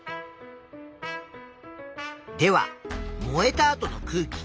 では燃えた後の空気。